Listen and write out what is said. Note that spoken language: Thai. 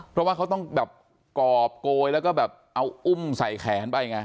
เพราะว่าเขาต้องแบบกรอบโกยแล้วก็แบบเอาอุ้มใส่แขนไปไง